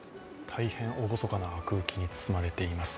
大変おごそかな空気に包まれています。